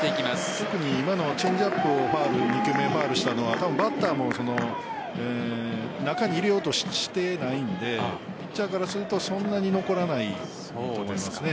特に今のチェンジアップをファウルに２球目したのはバッターも中に入れようとしていないのでピッチャーからするとそんなに残らないと思いますね。